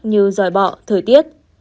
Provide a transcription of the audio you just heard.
như dòi bọ thời tiết